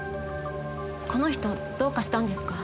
この人どうかしたんですか？